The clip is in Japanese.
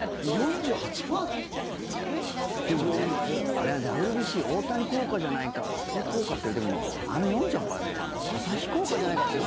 あれはＷＢＣ大谷効果じゃないか佐々木効果っていわれてるけどもあの４８％はね朝日効果じゃないかって。